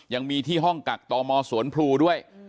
ยังมีที่ห้องกักตมสวนพลูด้วย